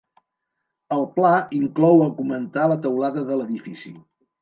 El pla inclou augmentar la teulada de l'edifici.